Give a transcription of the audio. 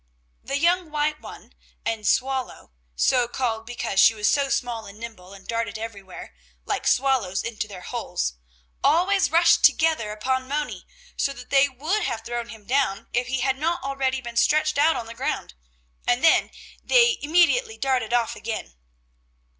The young white one and Swallow, so called because she was so small and nimble and darted everywhere, like swallows into their holes, always rushed together upon Moni, so that they would have thrown him down, if he had not already been stretched out on the ground, and then they immediately, darted off again.